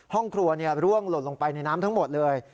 ห้องครัวร่วงหล่นลงไปในน้ำทั้งหมดเลย